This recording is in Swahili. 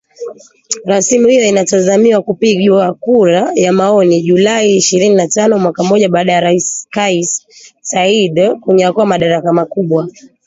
Rasimu hiyo inatazamiwa kupigiwa kura ya maoni Julai ishirini na tano mwaka mmoja baada ya Rais Kais Saied kunyakua madaraka makubwa